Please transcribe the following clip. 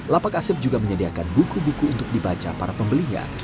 lapak asep juga menyediakan buku buku untuk dibaca para pembelinya